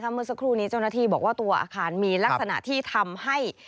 เมื่อสักครู่นี้เจ้าหน้าที่บอกว่าตัวอาคารมีลักษณะที่ทำให้